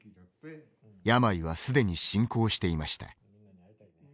病は既に進行していました。